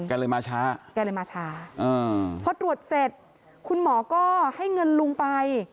เลยมาช้าแกเลยมาช้าพอตรวจเสร็จคุณหมอก็ให้เงินลุงไป